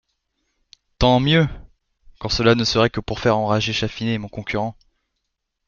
Tant mieux ! quand cela ne serait que pour faire enrager Chatfinet, mon concurrent.